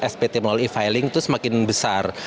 spt melalui e filing itu semakin besar